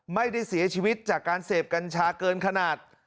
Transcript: ไม่ได้เสียชีวิตจากการเสพกัญชาเกินขนาด